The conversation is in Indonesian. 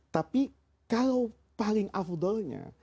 tapi kalau paling afdolnya